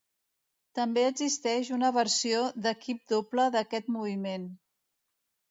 També existeix una versió d'equip doble d'aquest moviment.